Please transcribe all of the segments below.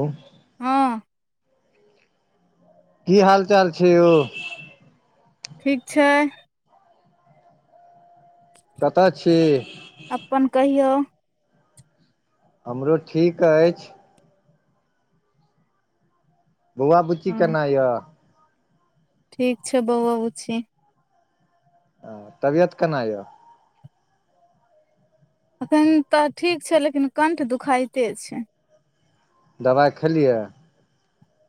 ओ हँ की हाल चाल छै यौ ठीक छै कतअ छी अपन कहियौ हमरो ठीक अछि बौआ बुच्ची हँ केना यऽ ठीक छै बौओ बुचि अ तबियत केना यऽ एखैन तऽ ठीक छै लेकिन कण्ठ दुखाइते छै दबाइ खेलियै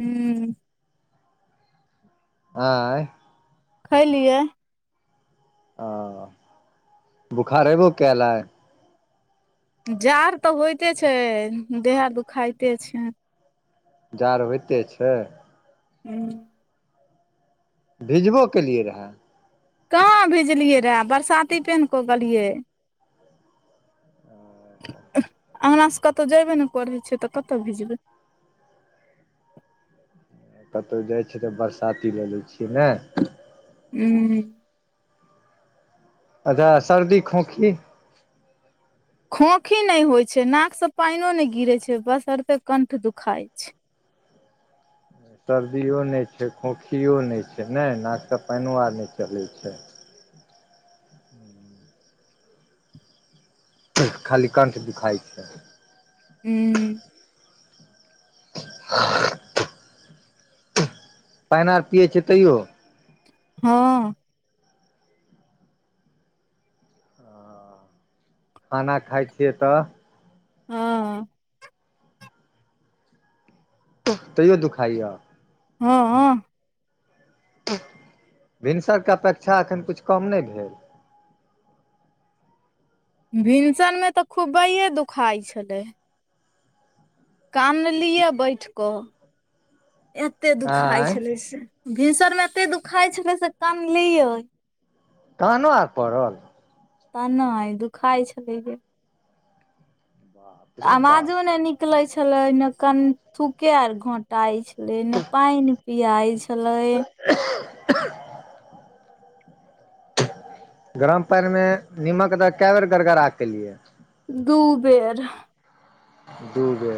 हु आइ खलियै ओ बोखार ऐबो कयल आय जाड़ तऽ होइते छै देह हाथ दुखाइते छै जाड़ होइते छै हू भिजबो केलियै रहै कहाँ भेजलियै रहै बरसाती पेन्ह कऽ गेलियै अंगना स कतहु जेबे न करै छिये तऽ कतअ भीजबै कतहु जाइ छियै तऽ बरसाती लऽ लै छियै नइ हू अच्छह सर्दी खोखी खोखी नइ होइ छै नाक सँ पाइनो नइ गिरै छै बसरते कण्ठ दुखाय छै सर्दियो नइ छै खोखियो नइ छै नय नाक सँ पाइनो आर नइ चलै छै खाली कण्ठ दुखाइ छै हु [unintelligible] पाइन आर पियै छियै तैयो हँ खाना खाय छियै तऽ हँ तैयो दुखाइ य हँ हँ भिनसर के अपेक्षा एखन कुछ कम नइ भेल भिनसर मे तऽ खुबैेये दुखाइ छलै कानलियै बैठ कऽ एते दुखाइ आँय छलै से भीसर मे एते दुखाइ छलै से कानलियै कानअ आर पड़ल तऽ नइ दुखाइ छलै जे बाप रे अवाजो बाप नइ निकले छले नइ कन थूके आर घोटाइ छै ने नइ पियाइ छले [unintelligible] गरम पानिमे निमक त क‌ए बेर गड़गड़ा केलियै दु बेर दू बे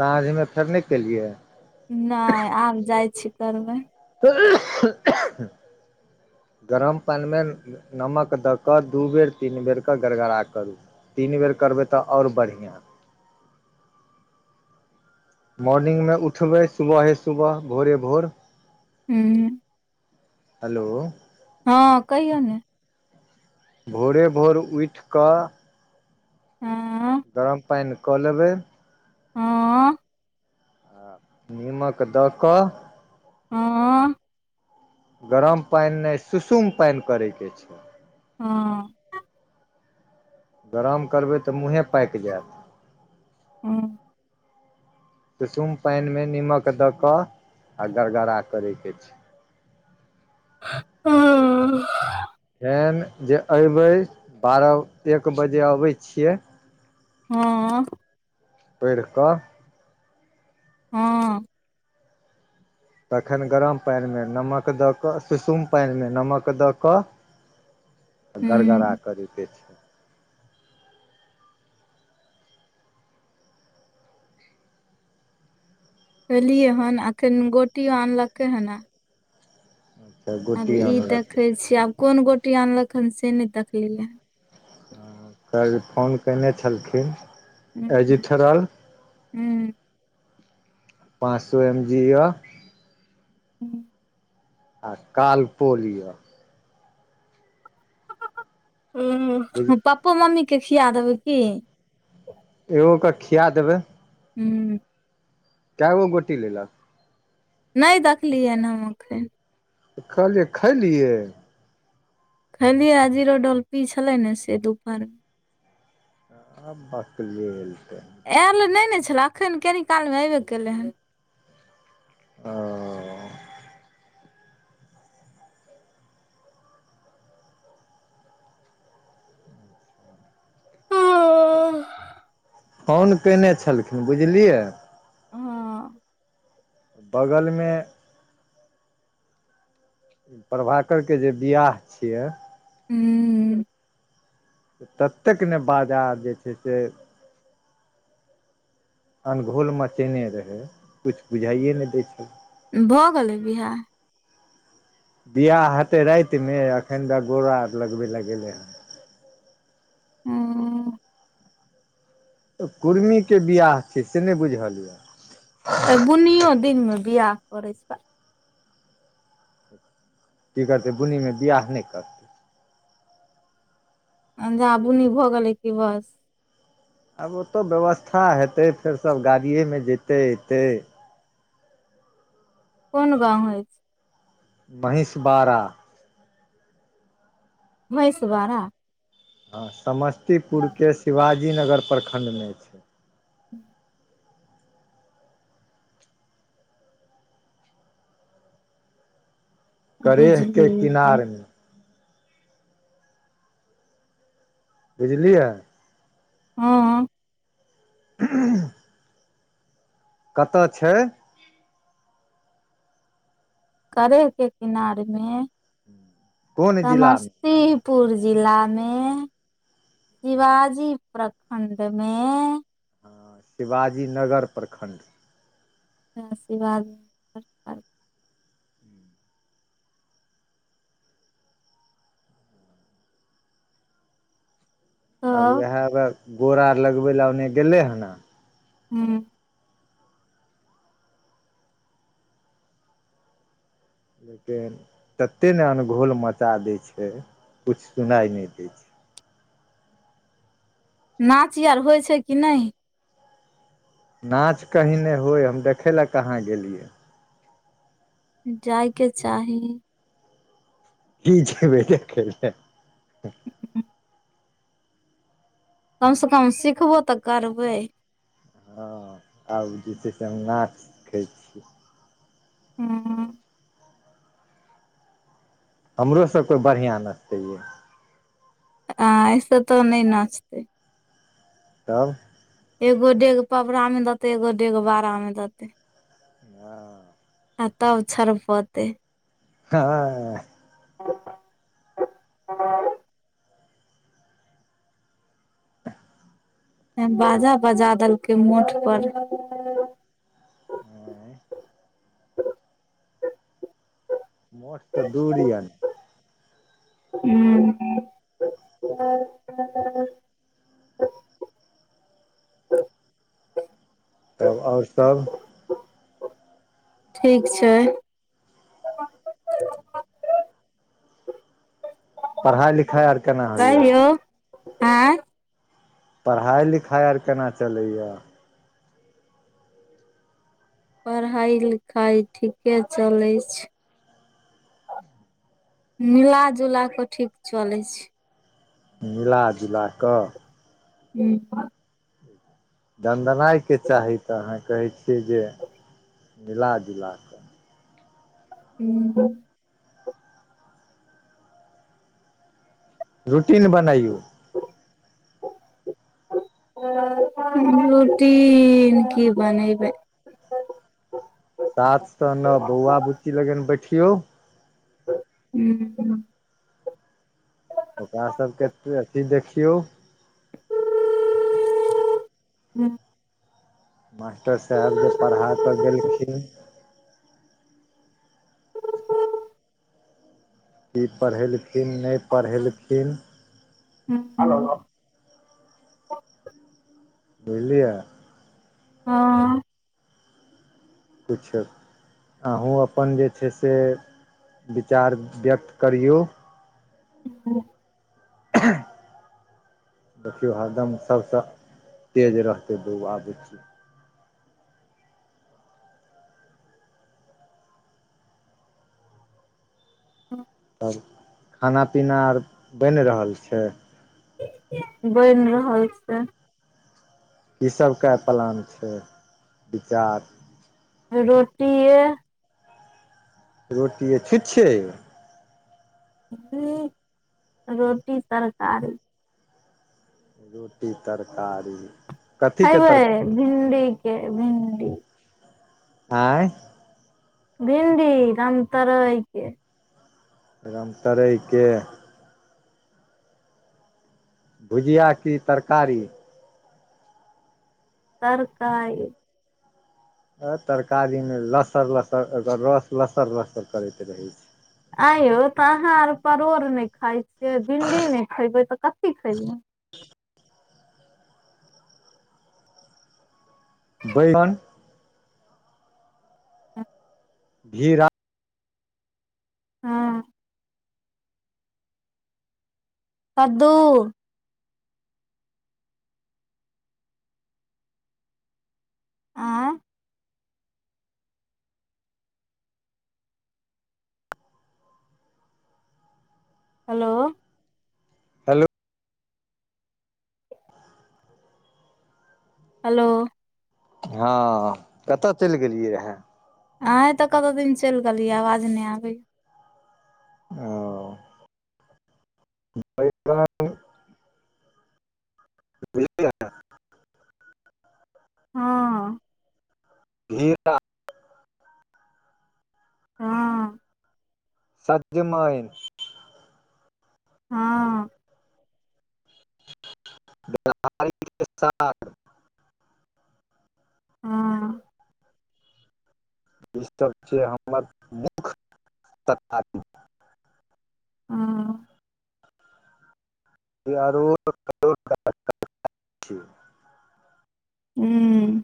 साँझमे फेर नहि कलियै नहि आब जाइ छी करबै तऽ [unintelligible] गरम पानिमे नमक दऽ कऽ दू बेर तीन बेरके गड़गड़ा करू तीन बेर करबै तऽ आओर बढ़िआँ मॉर्निंग उठबै सुबहे सुबहे भोरे भोर हूँ हेलो हँ कहियौ ने भोरे भोर उठि कऽ हँ गरम पानि क लेबै हँ आ निमक द क हँ गरम पानि नहि सुसुम पानि करैके छै हँ गरम करबै तऽ मुँहे पाकि जायत हँ सुसुम पानिमे निमक दऽ कऽ आ गड़गड़ा करैके छै ह फेन जे अयबै बारह एक बजे अबै छियै हँ पड़ि कऽ हँ तखन गरम पानिमे नमक दऽ कऽ सुसुम पानिमे नमक दऽ कऽ गड़गड़ा हूँ करयके छै खेलियै हन अखन गोटियो आनलकै हन अच्छा आब गोटी ई देखै अनलकै छियै आब कोन गोटी अनलक हन से नहि देखलिय काल्हि फोन कयने छलखिन एजिथरल हू पाँच सौ एम जी यऽ हूँ आ काल पोल य बुझ हू पप्पो मम्मी के खिया देबै की एगोके खिया देबै हूँ कए गो गोटी लेलक नहि देखलियैनि हम एखन तऽ कहलियै खलियै खैलियै आ जीरो डोल पी छले ने से दुपहर मे आ बकलेल तै आयल नहि ने छलै एखन कनी कालमे अइबे कयलै हन आ ओ हँ फोन कयने छलखिन बुझलियै हँ बगल मे प्रभाकर के जे बियाह छियै हू ततेक ने बाजा जे छैय से अनघोल मचेने रहै किछु बुझाइए नहि दै छैय। भऽ गेलै बियाह? बियाह हेतै राईत मे एखन त गोर आर लगबे ला गेलय हेँ। हँ कुर्मी के बियाह छैय से नहि बुझलीयै। बुनीयो दिन मे बियाह करै छैय भ। की करतै बुनिमे बियाह नहि करतै। जहां बुनी भऽ गेलै की बस। आब ओतऽ व्यवस्था हेतै फेर सब गाड़िये में जेतै एतै। कोन गाँव होईछ? महिस बारा महिष बारा हँ समस्तीपुर के शिवाजी नगर प्रखंड में छैय। [unintelligible] करेह के बुझलियै किनार मे। बुझलियै। हूँ [unintelligible] कत छैय? करेह के किनारे में कोन समस जिलामे ती पुर जिला मे। शिवाजी प्रखंड मे। हँ शिवाजी नगर प्रखंड। हां शिवा आ तब उएह गोड़ आर लगबे ला ओने गेले हन ने हू लेकिन ततेक ने अनघोल मचा दै छैय कुछ सुनाइ नहि दै छैय। नाच आर होइ छैय कि नहि? नाच कहीं नहि होय हम देखै ला कहाँ गेलियै। जाइके चाही। कि जेबै देखै ला। कमसे कम सिखबो तऽ करबै। हँ आब जे छैय से हम नाच सिखै छि। हँ हमरो सबके बढ़िआँ नतै यै। आय से तऽ नहि नचतै। तब एगो डेग पपड़ा मे देते एगो डेग बाड़ा मे देतय। हँ आ तब छड़पतय। [unintelligible] [unintelligible] बाजा बजा देलकै मोठ पर। मोठ त दूरी यन। हू [unintelligible] तब आओर सब? ठीक छै पढ़ाइ लिखाइ आ कहियो ऐं पढ़ाइ लिखाइ आर केना चलैए यै पढ़ाइ लिखाइ ठीके चलै छै मिलाजुला कऽ ठीक चलै छै मिलाजुला कऽ ह दनदनाइके चाही तऽ अहाँ कहै छियै जे मिलाजुलाक हू रूटीन बनाइयौ रुटीन की बनेबै सात से नौ बौआ बुच्ची लगन बैठियौ हुँ ओकरा सबके अथी देखियौ [unintelligible] मास्टर साहेब जे पढ़ा के गेलखिन की पढ़ेलखिन नहि पढ़ेलखिन [unintelligible] बुझलियै ह ठीक छै अहूँ अपन जे छै से विचार व्यक्त करियौ ह [unintelligible] देखियौ हरदम सबसँ तेज रहतै बौआ बुची तब खाना पीना आर बनि रहल छै बनि रहल छै कि सब के प्लान छै विचार रोटीये रोटीये छु छै इह रोटी तरकारी रोटी तरकारी कथीके खइबै तरकारी भिंडी के भिन्डी आँय भिंडी रमतोरय के रमतोरय के भुजिआ की तरकारी तरकारी अ तरकारी मे लसर लसर रस लसर लसर करैत रहे छै आंय यौ तऽ अहाँ आर परोड़ नय खाइ छियै भिणडी नय खेबै तऽ कथी खेबै बैगन घिरा हाँ कद्दू आँय हेलो हेलो हेलो हँ कतऽ चलि गेलियै रहए आहें तऽ कतौ दिन चल गेलियै आवाज नय आबै औ [unintelligible] बुझल हाँ घिरा हँ सज्जमइन हाँ [unintelligible] हाँ ई सब छै हमर मुख्य तरकारी हाँ [unintelligible] हूँ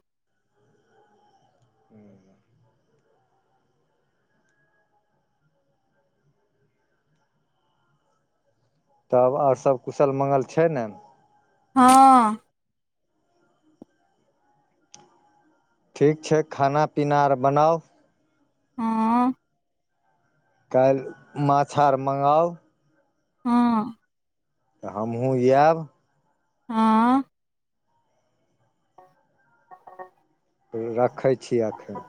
हूं हूं [unintelligible] तब आओर सब कुशल मङ्गल छै ने हाँ ठीक छै खाना पीना आर बनाउ हाँ काल्हि माछ आर मँगाउ हाँ तऽ हमहुँ याब आँ रखै छी एखन